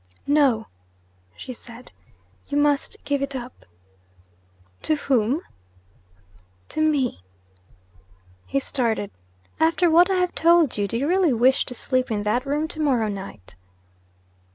'No,' she said. 'You must give it up.' 'To whom?' 'To me!' He started. 'After what I have told you, do you really wish to sleep in that room to morrow night?'